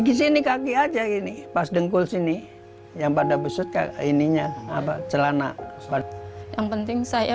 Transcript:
di sini kaki aja gini pas dengkul sini yang pada besut kayak ininya apa celana yang penting saya